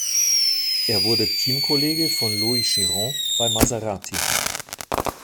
Er wurde Teamkollege von Louis Chiron bei Maserati.